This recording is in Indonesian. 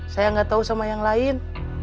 saya gak tau sama yang lain